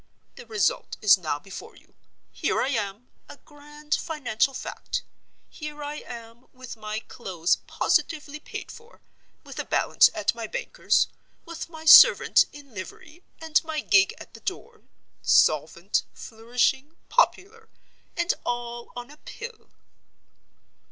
The result is now before you. Here I am, a Grand Financial Fact. Here I am, with my clothes positively paid for; with a balance at my banker's; with my servant in livery, and my gig at the door; solvent, flourishing, popular—and all on a Pill."